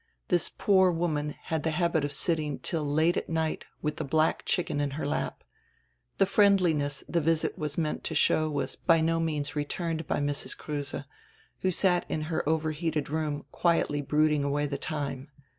This poor woman had die habit of sitting till late at night widi die black chicken in her lap. The friendliness die visit was meant to show was by no means returned by Mrs. Kruse, who sat in her over heated room quietiy brooding away die time.